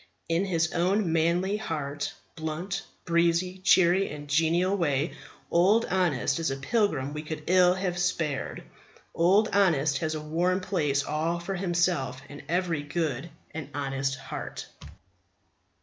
In his own manly, hearty, blunt, breezy, cheery, and genial way Old Honest is a pilgrim we could ill have spared. Old Honest has a warm place all for himself in every good and honest heart.